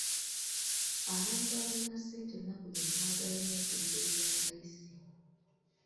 Abantu abalina ssente ennaku zino baagala nnyo okugula ebya layisi.